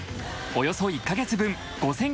およそ１カ月分